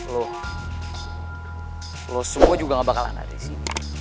lo lo semua juga gak bakalan ada disini